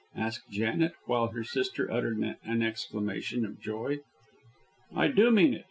asked Janet, while her sister uttered an exclamation of joy. "I do mean it.